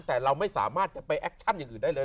แต่เราไม่สามารถจะไปแอคชั่นอย่างอื่นได้เลย